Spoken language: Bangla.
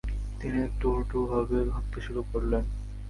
তিনি একটু উল্টোভাবে ভাবতে শুরু করলেন।